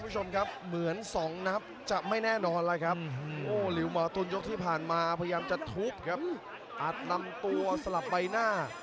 มีปลายเปลี่ยนเข้าหาตลอดครับหลิวมอตุ๋นตกด้วยกุ้งซ้ายแล้วเติมด้วยมันขวาแล้วล้องใน